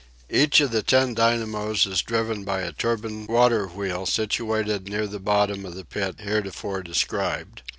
Each of the ten dynamos is driven by a turbine water wheel situated near the bottom of the pit heretofore described.